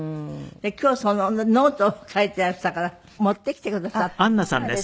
で今日そのノートを書いていらしたから持ってきてくださったんですって。